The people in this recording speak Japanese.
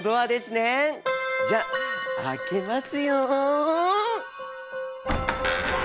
じゃあ開けますよ。